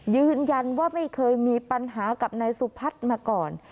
ยืนยันว่าไม่เคยมีปัญหากับนายสุพัฒน์มาก่อน